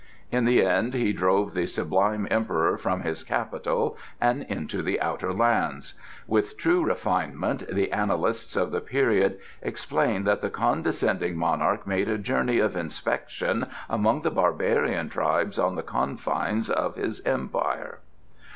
In the end he drove the sublime emperor from his capital and into the Outer Lands; with true refinement the annalists of the period explain that the condescending monarch made a journey of inspection among the barbarian tribes on the confines of his Empire.